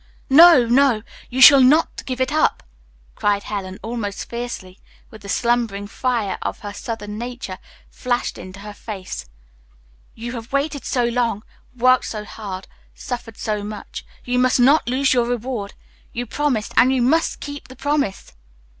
"No, no, you shall not give it up!" cried Helen almost fiercely, while the slumbering fire of her southern nature flashed into her face. "You have waited so long, worked so hard, suffered so much, you must not lose your reward. You promised, and you must keep the promise."